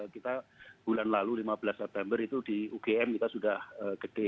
kita bulan lalu lima belas september itu di ugm kita sudah gede